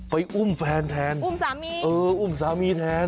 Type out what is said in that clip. อุ้มแฟนแทนอุ้มสามีเอออุ้มสามีแทน